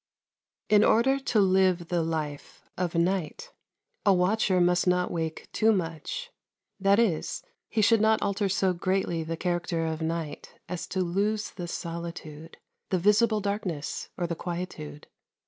In order to live the life of night, a watcher must not wake too much. That is, he should not alter so greatly the character of night as to lose the solitude, the visible darkness, or the quietude.